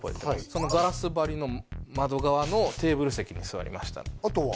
そのガラス張りの窓側のテーブル席に座りましたあとは？